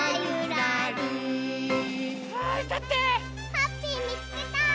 ハッピーみつけた！